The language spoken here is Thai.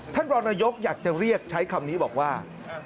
รองนายกอยากจะเรียกใช้คำนี้บอกว่า